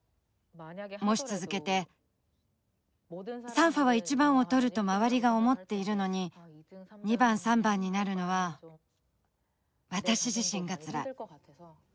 もし続けてサンファは１番を取ると周りが思っているのに２番３番になるのは私自身がつらい。